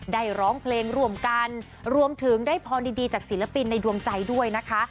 ร้องเพลงร่วมกันรวมถึงได้พรดีจากศิลปินในดวงใจด้วยนะคะ